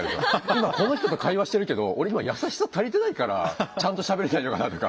「今この人と会話してるけど俺今『優しさ』足りてないからちゃんとしゃべれてないのかな」とか。